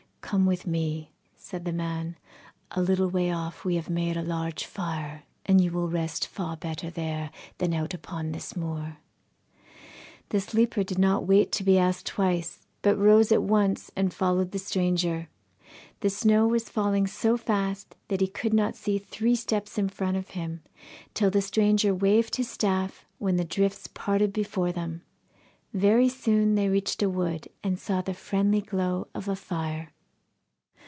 'Come with me,' said the man, 'a little way off we have made a large fire, and you will rest far better there than out upon this moor.' The sleeper did not wait to be asked twice, but rose at once and followed the stranger. The snow was falling so fast that he could not see three steps in front of him, till the stranger waved his staff, when the drifts parted before them. Very soon they reached a wood, and saw the friendly glow of a fire.